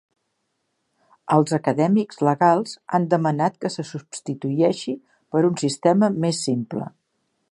Els acadèmics legals han demanat que se substitueixi per un sistema més simple.